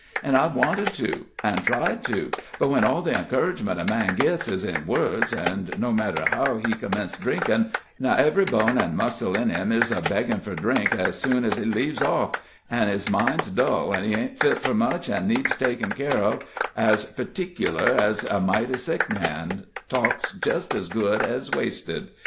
An' I've wanted to, an' tried to, but when all the encouragement a man gits is in words, an' no matter how he commenced drinkin', now ev'ry bone an' muscle in him is a beggin' fur drink ez soon as he leaves off, an' his mind's dull, an' he ain't fit fur much, an' needs takin' care of as p'tic'ler ez a mighty sick man, talk's jist as good ez wasted.